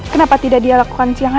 kenapa tidak dilakukan siang hari